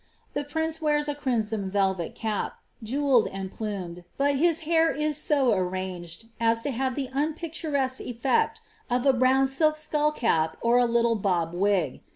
The prince wears a crimson velvet cap, jewelled and plumed, but his hair is so arranged as to have the unpicturesque eflect of a brown silk skull cap, or a little bob wig.